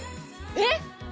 えっ！